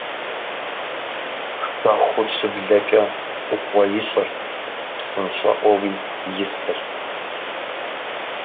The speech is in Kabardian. Шэхур щыблэкӀэ Ӏугъуэ ищӀырт, псынщӀэӀуэуи исырт.